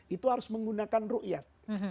itu harus menggunakan ru'yat